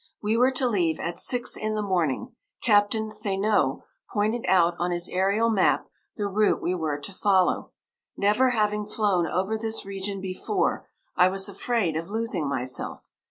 We were to leave at six in the morning. Captain Thénault pointed out on his aërial map the route we were to follow. Never having flown over this region before, I was afraid of losing myself.